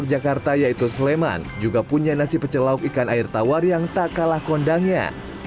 di sisi lain pinggir jakarta yaitu sleman juga punya nasi pecel lauk ikan air tawar yang tak kalah kondangnya